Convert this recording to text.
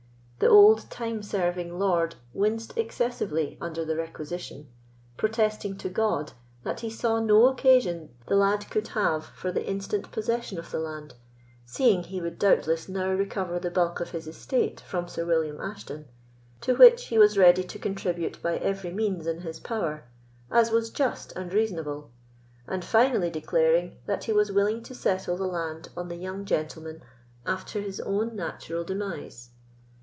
The old time serving lord winced excessively under the requisition, protesting to God, that he saw no occasion the lad could have for the instant possession of the land, seeing he would doubtless now recover the bulk of his estate from Sir William Ashton, to which he was ready to contribute by every means in his power, as was just and reasonable; and finally declaring, that he was willing to settle the land on the young gentleman after his own natural demise.